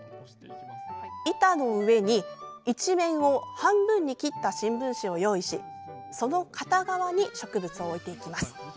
板の上に、１面を半分に切った新聞紙を用意しその片側に植物を置いていきます。